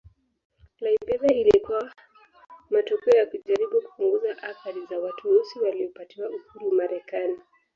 Liberia ilikuwa matokeo ya kujaribu kupunguza athari za watu weusi waliopatiwa uhuru Marekani